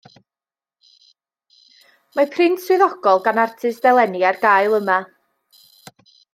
Mae print swyddogol gan artist eleni ar gael yma